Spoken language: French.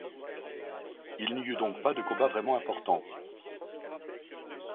Il n'y eut donc pas de combat vraiment important.